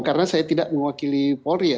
karena saya tidak mewakili polri ya